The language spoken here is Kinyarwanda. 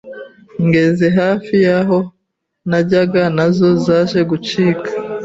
ngeze hafi yaho najyaga nazo zaje gucika.